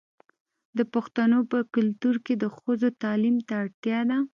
د پښتنو په کلتور کې د ښځو تعلیم ته اړتیا ده.